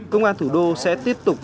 công an thủ đô sẽ tiếp tục truyền thống